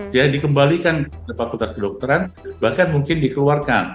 dia dikembalikan ke fakultas kedokteran bahkan mungkin dikeluarkan